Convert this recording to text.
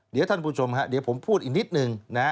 เดี๋ยวท่านผู้ชมฮะเดี๋ยวผมพูดอีกนิดนึงนะ